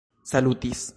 salutis